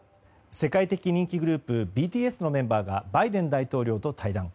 世界的人気グループＢＴＳのメンバーがバイデン大統領と対談。